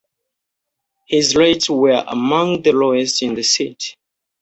His rates were among the lowest in the city.